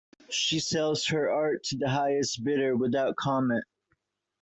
She sells her art to the highest bidder without comment.